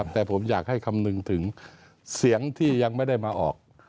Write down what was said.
แต่ผมอยากให้คำนึงถึงเสียงที่ยังไม่ได้มาออก